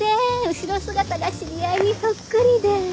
後ろ姿が知り合いにそっくりで